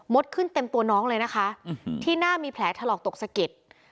ขึ้นเต็มตัวน้องเลยนะคะที่หน้ามีแผลถลอกตกสะเก็ด